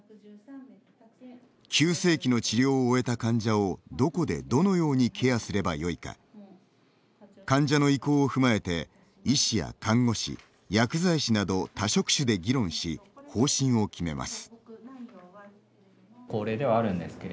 急性期の治療を終えた患者をどこでどのようにケアすればよいか患者の意向を踏まえて医師や看護師、薬剤師など多職種で議論し、方針を決めます。